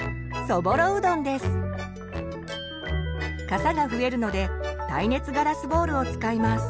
かさが増えるので耐熱ガラスボウルを使います。